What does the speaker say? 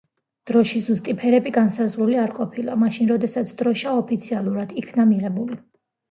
დროშის ზუსტი ფერები განსაზღვრული არ ყოფილა მაშინ, როდესაც დროშა ოფიციალურად იქნა მიღებული.